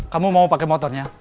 kamu mau pakai motor